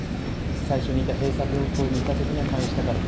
最初にいた閉鎖病棟にいたときには退院したかった。